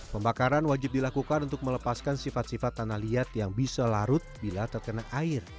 pembakaran wajib dilakukan untuk melepaskan sifat sifat tanah liat yang bisa larut bila terkena air